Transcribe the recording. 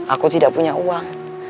aku tidak punya uang